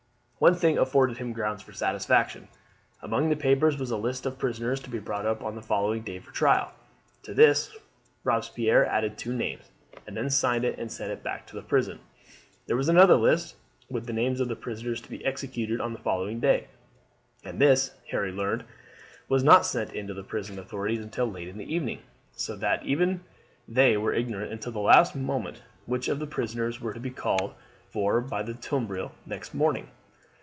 One thing afforded him grounds for satisfaction. Among the papers was a list of the prisoners to be brought up on the following day for trial. To this Robespierre added two names, and then signed it and sent it back to the prison. There was another list with the names of the prisoners to be executed on the following day, and this, Harry learned, was not sent in to the prison authorities until late in the evening, so that even they were ignorant until the last moment which of the prisoners were to be called for by the tumbrils next morning.